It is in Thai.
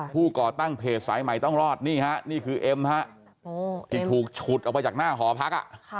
ก่อตั้งเพจสายใหม่ต้องรอดนี่ฮะนี่คือเอ็มฮะที่ถูกฉุดออกไปจากหน้าหอพัก